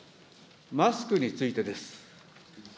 マスクについてです。